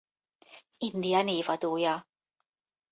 India névadója.